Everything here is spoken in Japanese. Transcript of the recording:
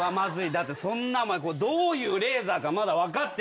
だってどういうレーザーかまだ分かってない